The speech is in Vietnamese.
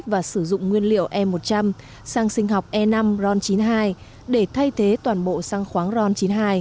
và sử dụng nguyên liệu e một trăm linh sang sinh học e năm ron chín mươi hai để thay thế toàn bộ sang khoáng ron chín mươi hai